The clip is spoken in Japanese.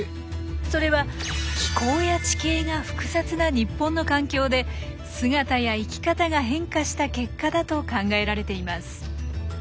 それは気候や地形が複雑な日本の環境で姿や生き方が変化した結果だと考えられています。